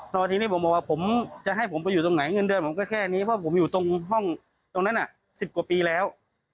แล้วทีนี้ผมบอกว่าผมจะให้ผมไปอยู่ตรงไหนเงินเดือนผมก็แค่นี้เพราะผมอยู่ตรงห้องตรงนั้น๑๐กว่าปีแล้ว